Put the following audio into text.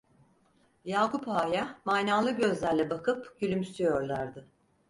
Yakup Ağa'ya manalı gözlerle bakıp gülümsüyorlardı.